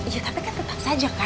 ya tapi kan tetap saja kan